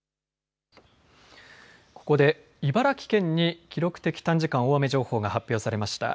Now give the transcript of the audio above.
ここで茨城県に記録的短時間大雨情報が発表されました。